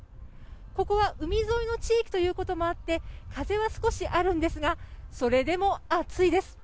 ここは海沿いの地域ということもあって風は少しあるんですがそれでも暑いです。